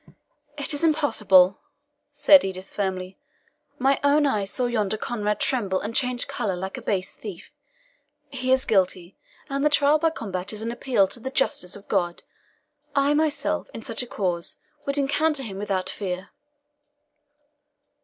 "It is impossible!" said Edith firmly. "My own eyes saw yonder Conrade tremble and change colour like a base thief; he is guilty, and the trial by combat is an appeal to the justice of God. I myself, in such a cause, would encounter him without fear."